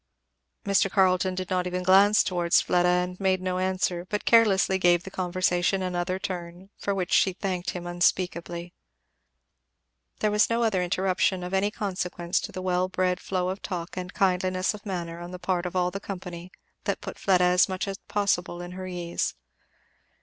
Mr. Carleton did not even glance towards Fleda and made no answer, but carelessly gave the conversation another turn; for which she thanked him unspeakably. There was no other interruption of any consequence to the well bred flow of talk and kindliness of manner on the part of all the company, that put Fleda as much as possible at her ease.